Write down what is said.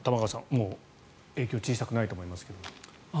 もう影響は小さくないと思いますが。